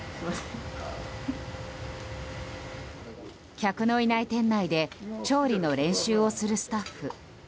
客のいない店内で調理の練習をするスタッフ。